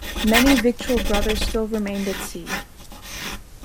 Many Victual Brothers still remained at sea.